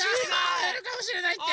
あえるかもしれないって。